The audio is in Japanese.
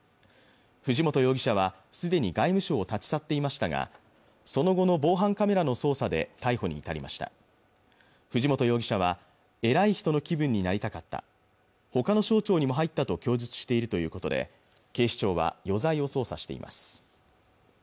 藤本容疑者は既に外務省を立ち去っていましたがその後の防犯カメラの捜査で逮捕に至りました藤本容疑者は偉い人の気分になりたかったほかの省庁にも入ったと供述しているということで警視庁は余罪を捜査しています